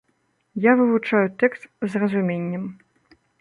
Я вывучаю тэкст з разуменнем.